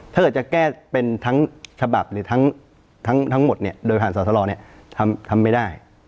ถ้าเกิดจะแก้เป็นทั้งฉบับหรือทั้งหมดเนี่ยโดยผ่านสอสรทำไม่ได้